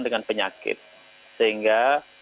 dengan penyakit sehingga